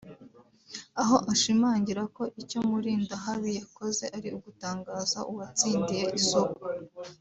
aho ashimangira ko icyo Mulindahabi yakoze ari ugutangaza uwatsindiye isoko